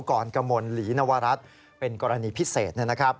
กรกรรมลินวรัตน์เป็นกรณีพิเศษ